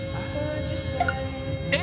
えっ？